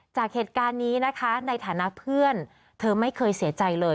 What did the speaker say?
จากเหตุการณ์นี้นะคะในฐานะเพื่อนเธอไม่เคยเสียใจเลย